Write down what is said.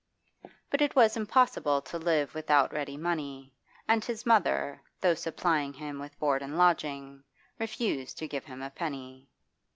But it was impossible to live without ready money, and his mother, though supplying him with board and lodging, refused to give him a penny.